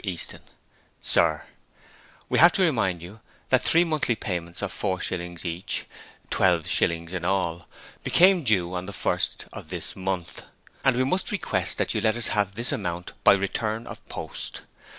EASTON, SIR: We have to remind you that three monthly payments of four shillings each (12/ in all) became due on the first of this month, and we must request you to let us have this amount BY RETURN OF POST.